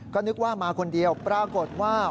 ก็นึกว่ามาคนเดียวปรากฏว่า